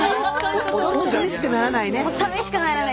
さみしくならないね。